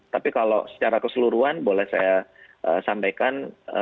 tapi kalau secara keseluruhan boleh saya sampaikan